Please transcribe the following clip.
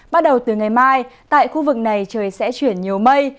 bắt đầu từ ngày mai tại khu vực này trời sẽ chuyển nhiều mây